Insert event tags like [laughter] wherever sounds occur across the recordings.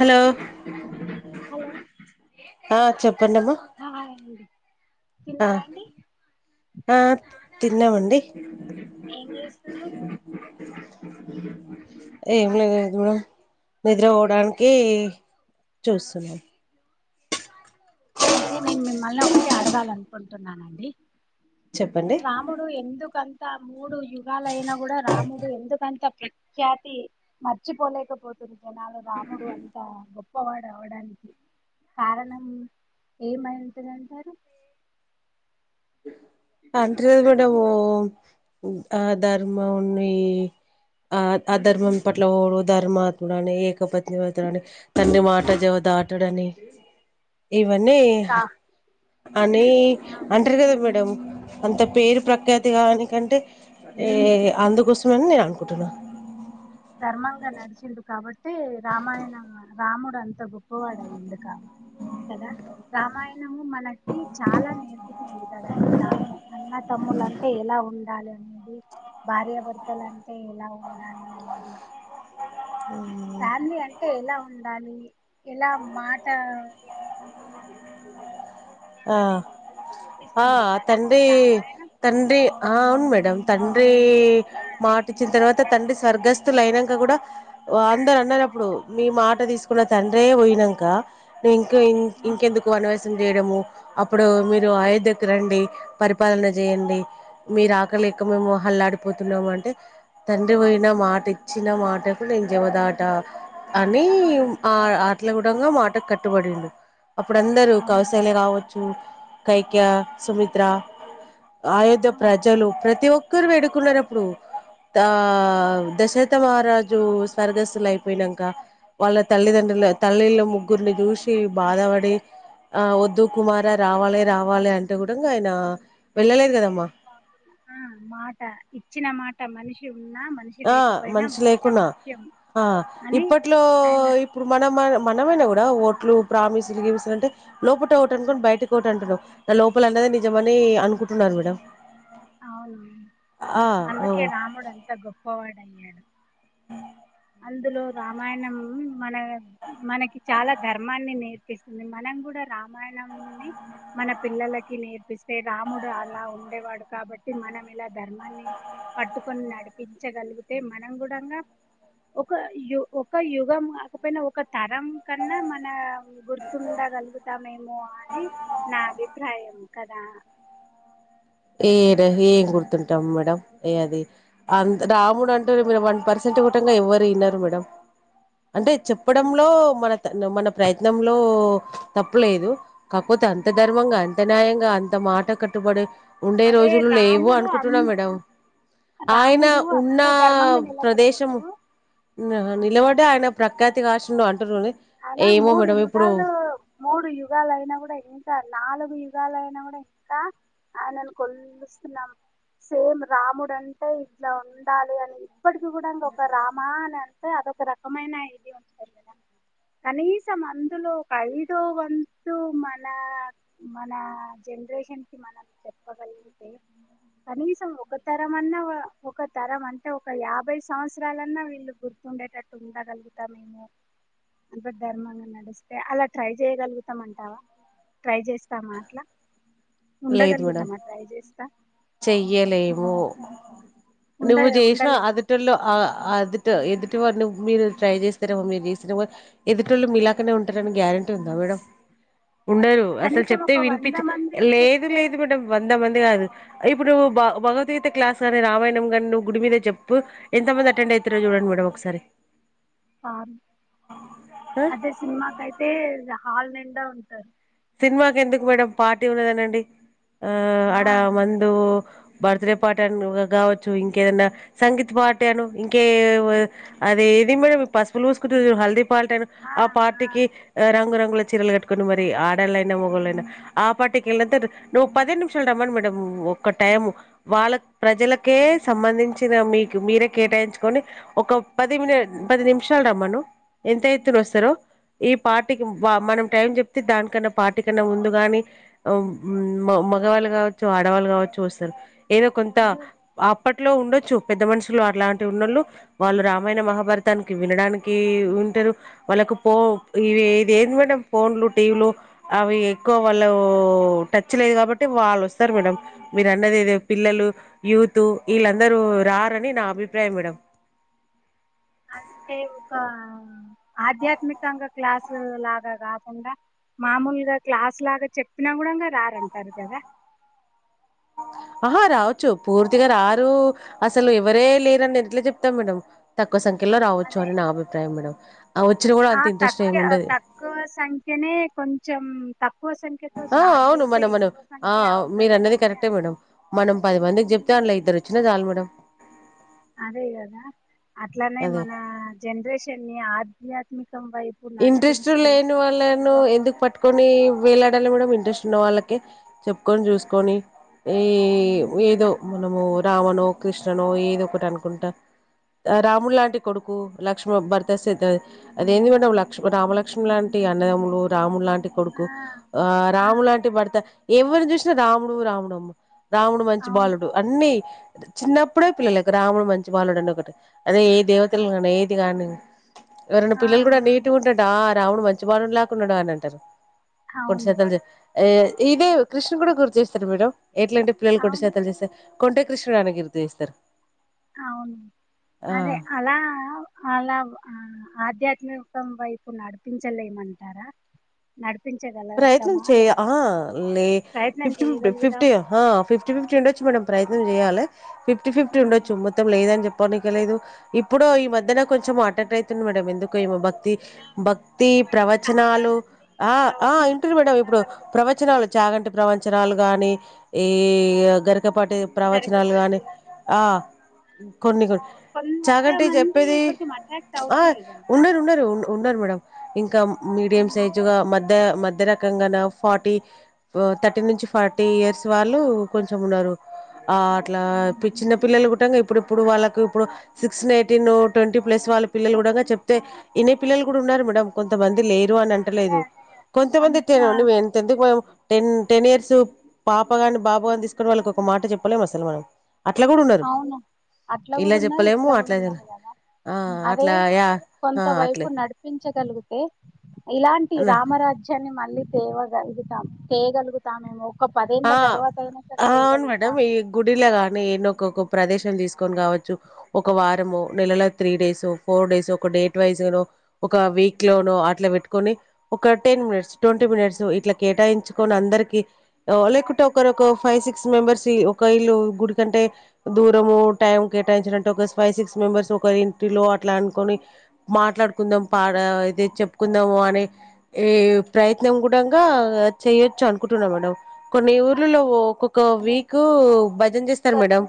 Hello hello ఆ చెప్ hi అండి ఆ తిన్నారా అండి ఆ తిన్నామండి ఏం చేస్తుర్రు ఏం లేదు [unintelligible] నిద్ర పోవడానికి చూస్తున్నాం అయితే నేను మిమ్మల్ని ఒకటి అడగాలి అనుకుంటున్నానండి చెప్పండి రాముడు ఎందుకు అన్ తమ్ మూడు యుగాల అయినా కూడా రాము ఎందుకంత ప్రఖ్యాతి మర్చిపోలేకపోతుంది జనాలు రాముడు అంతా గొప్ గోప్పవాడు అవడానికి కారణం ఏమైంటుంది అంటారు [unintelligible] ఓ ఆ ధర్ముని ఆ ఆ ధర్మం పట్ల ఓడు ధర్మ ఎకపతినివాతుడు అని తండ్రి మాట జవా దాటడు అని ఇవి అన్ని కా అని ఆ, అంటారు కదా మేడం అంత పేరు ప్రఖ్యాతి కానికంటే అందు కోసం అని నేను అనుకున్ పుటున ధర్మాంగా నడిచిండు కాబట్టి అయితే రామాయణం రాముడు అంత అంత గొప్పవాడు అయిండు కా కదా రామాయణ [inaudible] మనకి చాలా నేర్పు ఇప్పుడు కాదండి రాము అన్న తమ్ములంటే ఎలా ఉండాలి అనేది భార్యాభర్తలంటే ఎలా ఉండాలి అనేది అ ఫ్యామిలీ అంటే ఎలా ఉండాలి ఎలా మాట ఆ ఎత్తుకోవాలనే ఆ నేర్పిస్తుంది కదా తండ్రి రామాయణం తండ్రి ఆ అవును మేడమ్ డం తండ్రి ఆ మాట ఇచ్చిన తర్వాత తండ్రి మాట ఎలా స్వర్గస్థులు అయినంక కూడా ఎలా అందరు అన్నారు అప్పుడు నిలబెట్టుకో మీ మాట తీసుకు కన్న తండ్రే పోయినాంక ఇంకా ఇం ఇంకెందుకు అనవ చిందేడెమో అప్పుడు మీరు అయోధ్య కి రండి పరిపాలన చేయండి మీరు ఆకలి లేక మేము అల్లాడిపోతున్నామంటే తండ్రి పోయిన మాట ఇచ్చిన మాటకు నేను జవదాట అని ఆ అట్ల కూడంగా మాటకు కట్టుబడిండు అప్పుడు అందరూ అవునండి కౌసల్య కావ కైక్య, సుమిత్ర అయోధ్య అవును ప్రజలు ప్రతి ఒ అందరు వేడుకున్నారు అప్పుడు దా ఉమ్, దశరత మ రాజు స్వర్గస్తులు అయిపోయినంక వాళ్ళ తల్లిదండ్రుల తల్లిలో ముగ్గురిని చూసి బాధపడి ఆ వద్దు కుమార రావాలి రావాలి అంటే కూడా ఆయన వెళ్ళలేదు కదమ్మా ఆ మాట ఇచ్చిన మాట మనిషి ఉన్నా మనిషి ఆ లేకపోయినా మనిషి మాట లేకున్నా ముఖ్యం ఆ అని ఇప్పట్లో ఆయన ఇప్పుడు మనం మనం మనమైనా కూడా ఓట్లు ప్రామిసులు, గ్రీమిసులు అంటే లోపట ఒకటనుకొని బయటకి ఒకటి అంటున్నాము లోపల అన్నదే నిజమని అనుకుంటున్నారు మేడం అవును ఆ ఓ అందుకే రాముడు అంత గొప్పవాడు అయ్యాడు హ అందులో రామాయణం మన మనకి చాలా ధర్మాన్ని నేర్ పిస్తుంది మనం కూడా రామాయణంని మన పిల్లలకి నేర్పిస్తే రాముడు అలా ఉండేవాడు కాబట్టి మనం ఇలా ధర్మాన్ని పట్టుకొని నడిపించగలిగితే మనం గుడంగా ఒక యు ఒక యుగం కాకపోయినా ఒక తరం కన్నా మన గుర్తుండగలుగుతామేమో అని నా అభిప్రాయం కదా ఏరు ఏం గుర్తుంటాం మేడం ఏ అది అంత రాముడు అంటారు మీరు వన్ పర్సెంట్ కూడా ఎవ్వరు వినరు మేడం అంటే చెప్పడంలో మన త మన ప్రయత్నంలో తప్పలేదు కాపోతే అంత ధర్మంగా అంత న్యాయంగా అంత మాట కట్టుబడి ఉండే అదే రోజుల్ లేవు రాముడు అనుకుంటున్నా అంత మేడమ్ ఆయన రాముడు ఉన్న అంత ధర్మంగా ప్రదేశం నిలబడ్డాడు న నిలబడి ఆయన ప్ర కతీ కాసిన్ డో ఐనా మూడు యుగాలు మూడు యుగాలైనా గూడా ఇంకా నాలుగు యు గాలు అయినా కూడా ఇంకా ఆయనను కొలుస్తున్నామ్ సేమ్ రాముడు అంటే ఇట్లా ఉండాలి అని ఇప్పటికి గూడా ఇంకొక్క రామా అని అంటే అదొక రకమైన ఇది ఉంటది కదా కనీసం అందులో ఒక ఐదో వంతు మన మన జనరేషన్కి మనం చెప్పగల్గితే కనీసం ఒక తరమన్న వ ఒక తరం అంటే ఒక యాభై సంవత్సరాలన్నా వీళ్ళు గుర్తుండేటట్టు ఉండగల్గుతామేమో అంతా ధర్మంగా నడిస్తే అలా ట్రై చేయగల్గుతామన్టావా ట్రై చేస్తామా అట్లా లేదు మేడం ఉండగలుగుతామా ట్రై చేస్తా చెయ్యలేము ఉండ నువ్వు జేసిన ఉండలేమా అదుటుల్లో అ అదుట్ ఎదుటి వార్ ని మీరు ట్రై చేస్తారేమో మీరు చేస్తారమో ఎదుటి వాళ్ళు మీలాగానే ఉంటారని గ్యారెంటీ ఉందా మేడమ్ ఉండరు అసలు కనీసం చెప్తే ఒక వంద వినిపించ్ మందికి లేదు చెప్తే లేద్ మేడమ్ వంద మంది కాదు ఇప్పుడు భ భగవత్గీత క్లాస్ గాని రామాయణం గాని నువ్వు గుడి మీద చెప్పు ఎంత మంది అటెండ్ అయితారో చూడండి మేడమ్ ఒకసారి రారు ఆ అదే సినిమా కైతే హాల్ నిన్ డా ఉంటారు సినిమాకెందుకు మేడం పార్టీ ఉన్నదానండి ఆ ఆ అడా మందు బర్త్ డే పార్టీన్ గవచ్చు ఇంకేదన్నా సంగీత్ పార్టీ అను ఇంకే ఏ మ్ అది ఇది మేడమ్ పసుపులు పూసుకునుడు హల్దీ పల్ టను ఆ పార్టీకి రంగురంగ్ గు చీరల్ కట్టుకోని మరి ఆర్ డళ్ళైనా మొగోళ్ళైనా ఆ పార్టీకి వెల్లెంతా ర్ నువ్వు పదే నిమిషాలు రమ్మను మేడం ఒక టైము వాళ్ళ ప్రజలకే సంబంధించిన మీక్ మీరే కేటాయించుకోని ఒక పది మినిట్ పది నిమిషాల్ రమ్మను ఎంత ఎత్తునోస్తారో ఈ పార్టీకి వ మనం టైం చెప్తే దానికన్నా పార్టీ కన్నా ముందుగాని హామ్ మ్ మగ్ మగవాళ్ళు కావచ్చు ఆడవాళ్ళు కావచ్చు వస్తారు ఏదో కొంత అదే అప్పట్లో ఉండొచ్చు పెద్ద మనుషుల్ అలాంటి ఉన్నోళ్ళు వాళ్ళు రామాయణ మహాభారతాన్కి వినడానికి వింటారు వాళ్ళకు పో ఇద్ ఇది ఏది మేడం ఫోన్లు టీవీలు అవి ఎక్కువ వాళ్ళు ఉ టచ్ లేద్ కాబట్టి వాళ్ళోస్తారు మేడం మీరు అన్నది ఏదో పిల్లలు యూత్ ఇళ్ళందరూ రారని నా అభిప్రాయం మేడం అంటే ఒక ఆ ఆధ్యాత్మికంగా క్లాస్ స్ లాగా కాకుండా మామూల్గా క్లాస్ లాగా చెప్పినా కూడాన్గా రారంటార్ కదా ఆహా రావచ్చు పూర్తిగా రారు అసల్ ఎవరే లేరని ఎట్ల చెప్తాం మేడం తక్ క్కువ సంఖ్యలో రావచ్చు అదే అని నా అభిప్రాయం మేడం ఆ వచ్చిన కూడా ఆ అంత ఇంట్రెస్ట్ తక్య ఏమి ఉండది చమ్ తప్ ఆ అవును మనం మనం ఆ సంఖ్య మీరు అవుతదేమో అన్నది అని కరెక్టే మేడం మనం పది మందిక్ చెప్ దాన్లో ఇద్దరోచ్చిన జాల్ మేడమ్ అదేగదా అట్లానే అదే మన జనరేషన్ని ఆధ్యాత్ ఇంట్రెస్ట్ లేని వాళ్ళను బా ఎందుకు పట్టుకొని వేలాడాల మేడమ్ ఇంట్రెస్ట్ ఉన్నవాళ్ళకే చెప్పుకొని చూస్కొని ఈ ఏదో మనము రామనో కృష్ణనో ఏదొకటి అనుకుంటా రాముడు లాంటి కొడుకు లక్ష్మ భరత శత అదేంది మేడం ల క్ష్మ రామలక్ష్మి లాంటి అన్నదమ్ములు రాముడు లాంటి కొడుకు ఆ ఆ రాము లాంటి భర్త ఎవరుని చూసినా రాముడు రాముడు అమ్మ రాముడు మంచి అవును బాలుడు అన్ని చిన్నప్పుడే పిల్లలు కు రాముడు మంచి బాలుడు డండి ఒకటి అదే ఏ ఆ దేవతలు కానీ ఏది కానీ ఎవరన్న ఆ, పిల్లలు కూడా నీ అవును అంటడా రాముడు మంచి బాలుడు లేకుంన్నాడా అని అంటారు కొడ్ అవును సతలజ ఏ ఇదే కృష్ణుని కూడా గుర్తు చేస్తారు మేడం ఎట్లంటే పిల్లలు కొంటే అవును చేతాలు చేస్తే కొంటే కృష్ణుడు అని గిర్తు చేస్తరు అవును అదే అలా అలా ఆ ఆధ్యాత్మికం వైపు నడిపించలేమంటారా నడు ప్రయత్నం చేయ ఆ లే ప్రయత్నం ఫిఫ్టీ ఫి [unintelligible] చేయగలుగుదాం ఫిఫ్టీ హా ఫిఫ్టీ ఫిఫ్టీ ఉండొచ్చు మేడం ప్రయత్నం చేయ్యాలె ఫిఫ్టీ ఫిఫ్టీ ఉమ్, ఉండచ్చు మొత్తం లేదని చెప్ పోనీకలేదు ఇప్పుడు ఈ మధ్యన కొంచెం ఆట్టటైతుంది మేడం ఎందుకు ఏమో భ క్తి ఆ భక్తి బట్ చాలా ప్రవచనాలు మంది ఆ ఆ ప్రవచనాలు ఇంటుర్రు మేడం ఇప్పుడు వినగలుగుతారు కదా ప్రవచనాలు చాగంటి ప్రవచనాలు గానీ ఈ ఇగ గరి కపాటి ప్రవచనాలు గాని జరగబట్టి ఆ కొన్ని గొన్ చాగంటి కొంతమంది చెప్పేది కొంచెం అట్రాక్ట్ ఆ అవుతుర్రు కదా ఉన్నారు ఉన్నారు ఉన్నారు మేడం ఇంకా మీడియం ఉమ్, సైజుగా మ మ మధ్య రకంగాన ఫార్టీ థర్టీ నుంచి ఫార్టీ ఇయర్స్ వాళ్ళు కొంచెం ఉన్నారు ఆ అట్లా అవును చిన్న పిల్లలు గూ టంగా ఇప్పుడు ఇప్పుడు వాళ్ళకి ఇప్పుడు సిక్స్ నైటీన్ ట్వంటీ ప్లస్ వాళ్ళ పిల్లలు కూడా చెప్తే ఇనే పిల్లలు గూడా ఉన్నారు మేడం కొంతమంది లేరు అని ఆ అదే అంటలేదు అదే కొంతమంది అంట ఆ, తేనుండి వెంత ఎందుకు మ టెన్ టెన్ ఇయర్స్ పాప గాని బాబు గాని తీసుకుని వాళ్ళకి ఒక మాట చెప్పలేము అసలు మనం అట్లా గూడా ఉన్నారు అవును అట్లా ఇలా కూడా ఉన్నారు జొప్పలేము ఇట్లా కూడా అట్లా ఉన్నారు కదా అట్లా యా అట్లే చగలిగితే ఇలాంటి అన్నా రామరాజ్యాన్ని మ మళ్ళీ తేవాగలుగుతాం తేగలుగుతామేమో ఆ అవును మేడం ఈ గుడిలా గాని ఎనో ఒక్కొక్క ప్రదేశం తీసుకొని కావచ్చు, ఒక వారము నెలలో త్రీ డేస్ ఫోర్ డేస్ ఒక డేట్ వైజుగానో, ఒక వీక్ లోనో అట్లా పెట్టుకొని ఒక టెన్ మినిట్స్ ట్వంటీ మినిట్స్ ఇట్లా కేటాయించుకొని అందరికి లేకుంటే ఒకరు ఒక ఫైవ్ సిక్స్ మెంబర్స్ ఒక ఇళ్ళు గుడి కంటే, దూరము టైం కేటాయించినట్లాయితే ఒక ఫైవ్ సిక్స్ మెంబెర్స్ ఒకరి ఇంటిలో అట్లా అనుకుని, మాట్లాడుకుందాం పాద ఇదే చెప్పుకుందాము అని ఏ ప్రయత్నం కూడాంగ చెయొచ్చు అనుకుంటున్నాం మేడం కొన్ని ఊర్లలో ఒకోక్ కో అదే వీకు భజన్ జేస్తారు మేడం.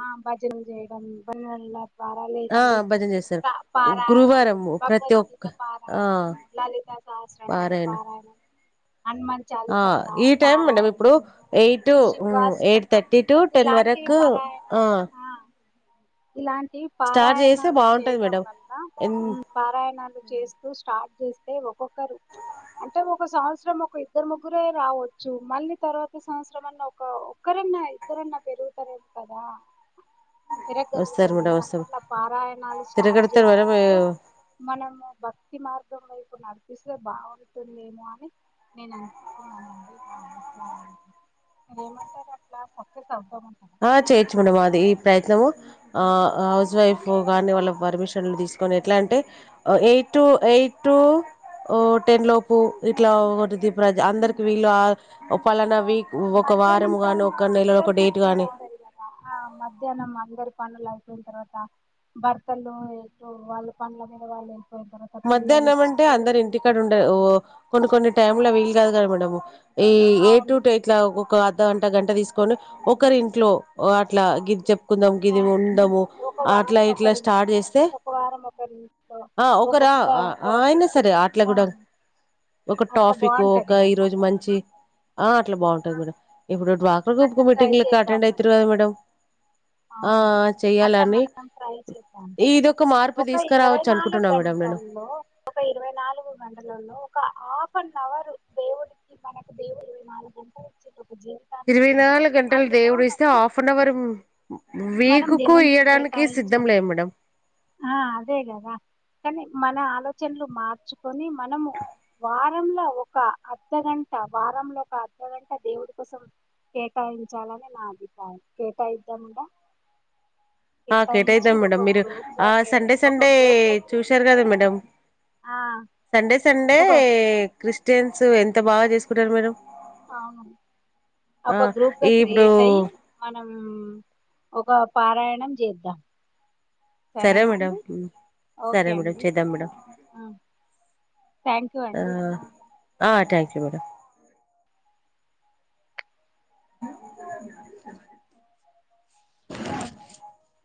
ఆ భజన జేయటం బన్వన్ లా పారా ఆ లేదండి భజన చేస్తారు పా పారాయణము గురువారం ప్రతి ఒక్క భగవద్గీత ఆ పారాయణము లలిత సహస్రనామ పారాయణ పారాయణం హనుమాన్ ఆ చాలీస ఈ టైమ్ మనం పారాయణం ఇప్పుడు ఎయిట్ టు ఎయిట్ శివాష్టకము థర్టీ టు టెన్ ఇలాంటివి వరకు ఆ ఇలాంటి స్టార్ట్ చేస్తే పారాయణాలు బాగుంటది చేయటం మేడం వల్ల ఎన్ ఉమ్ పారాయణాలు చేస్తూ స్టార్ట్ చేసి అంటే ఒక్కొక్కరు అంటే ఒక సంవత్సరం ఒక ఇద్దరు ముగ్గురే రావచ్చు, మళ్ళీ తరువాత సంవత్సరం అన్న ఒక ఒక్కరన్నా ఇద్దరన్నా పెరుగుతారు కదా వస్తారు పెరగలుగుతారు మేడం కదా వస్తారు అట్లా పారాయణాలు స్టార్ట్ తిరగడతారు చేసుకుంటూ మేడం మనము భక్తి మార్ ఇప్పుడు నడిపిస్తే బాగుంటుందేమో అని నేను అనుకుంటున్నానండి నా అభిప్రాయం మరి ఏమంటారు అట్లా సక్సెస్ అవుతామ ఆహ్ చేయొచ్చు మేడం అది ఈ ప్రయత్నము ఆ హౌస్ వైఫ్ కానీ వాళ్ళ పర్మిషన్లు తీసుకొని ఎట్లా అంటే ఆ ఎయిట్ టు ఎయిట్ టు ఆహ్ టెన్ లోపు ఇట్లా ఒకటి ఇది ప్రజ అందరికి వీళ్ళు ఆ పలానా ఆ వీక్ ఒక వారము గానీ ఒక నెలలో ఒక డేట్ గాని తది కదా ఆ మధ్యాహ్నం అందరికీ పనులు అయిపోయిన తర్వాత భర్తలు ఎక్కువ వాళ్ళు పండ్ల మీద వాళ్ళు వే మధ్యాహ్నం అంటే అందరు ఇంటికాడ ఉండ ఒ వెళ్ళిపోయిన కొన్ని కొన్ని టైమ్లా వీలు కాదు కదా మేడం. ఈ ఏ అవును టుటే ఇట్లా ఒక అర్ధ గంట గంట తీసుకొని ఒకరింట్లో అట్లా గిదిజప్ కుందాం ఆ ఇది ఉండవు ఒక అట్లా వారం ఇట్లా ఒకరింట్లో స్టార్ట్ చేస్తే ఒక వారం ఒకరింట్లో ఆ ఒ ఒక్కొక్క ఆ ఆయినా టాపిక్ సరే ఆట్ల ఆ కుడా ఒక అట్లా టాఫిక్ ఒక బాగుంటది కదా ఈరోజు మంచి ఆ అట్లా ఆ, బాగుంటది కూడా ఇప్పుడు డ్వా గ్రూప్ కు అట్లా ట్రై మీటింగ్లకు చేద్దాం అటెండ్ మనం ఐతిరి కదా మేడం ఆ అవును అట్లా చెయ్యాలని మనం ట్రై చేద్దాం ఇదొక మార్పు తీసుకురావచ్చు అనుకుంటున్నా మేడం. నేను దాంట్లో ఒక ఇరవై నాలుగు మండలంలో ఒక ఆ ఫ్ నవరు దేవుడికి మనకు దేవు నాలుగు గంటలచ్చ ఒక జీ ఇరవై నాలుగు గంటలు దేవుడు ఇస్తే హల్ఫన్హౌర్ మనం వీక్ కు దేవునికి ఇయ్యడానికి సిద్దం కేటాయించాము లేం మేడం ఆ అదే కదా కానీ మన ఆలోచనలు మార్చుక్ కొని మనము వాటి ఎమ్ లా ఒక అర్ధగంట వారంలో ఒక అర్ధగంట దేవుడి కోసం కేటాయించాలని నా అభిప్రాయం కేటాయిద్దాముగా ఆ కేట కేటాయించి అయిద్దాం మేడం ఒక మీరు గ్రూప్ గా ఆ కే- సండే ఒక సండే గ్రూప్ గా చూసారు క్రియేట్ కదా అయి మేడం ఆ సండే సండే ఒక క్రిస్టియన్స్ ఎతె ఎంత బాగా చేసుకుంటారు మేడం అవును ఆ ఒక గ్రూప్ గా ఇప్పుడు క్రియేట్ అయి మానం ఒక పారాయణం చేద్దాం సరే సరేనా మేడం అండి సరే ఓకే మేడం అండి చేద్దాం మేడం థ్యాంక్ యూ ఆ అండి ఆ థ్యాంక్యూ మేడం [inaudible] [inaudible]